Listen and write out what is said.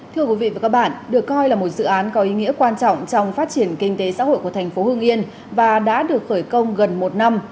thưa quý vị và các bạn được coi là một dự án có ý nghĩa quan trọng trong phát triển kinh tế xã hội của thành phố hương yên và đã được khởi công gần một năm